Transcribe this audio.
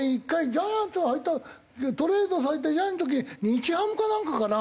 ジャイアンツ入ったトレードされてジャイアンツの時日ハムかなんかかな？